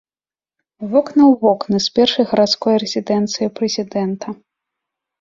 Вокны ў вокны з першай гарадской рэзідэнцыяй прэзідэнта.